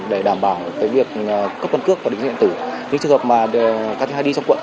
để đảm bảo việc cấp căn cứ và định diện tử những trường hợp mà cát thinh hai đi trong quận